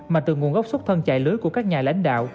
mà từ nguồn gốc xuất thân chạy lưới của các nhà lãnh đạo